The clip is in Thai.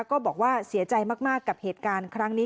ก็บอกว่าเสียใจมากกับเหตุการณ์ครั้งนี้